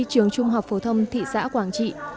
trường trung học phổ thông thị xã quảng trị